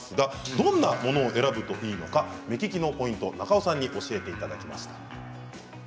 どんなものを選ぶといいのか目利きのポイント中尾さんに教えていただきました。